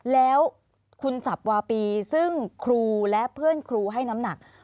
แล้วคุณสับวาปีซึ่งครูและเพื่อนครูให้น้ำหนัก